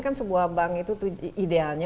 kan sebuah bank itu idealnya